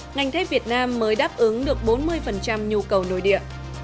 ngành thép việt nam mới đáp ứng được bốn mươi nhu cầu nội địa